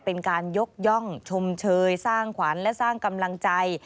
เป็นการยกย่องชมเชยสร้างขวัญและสร้างกำลังใจ